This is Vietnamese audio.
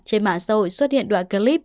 trên mạng xã hội xuất hiện đoạn clip